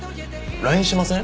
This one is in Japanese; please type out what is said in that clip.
ＬＩＮＥしません？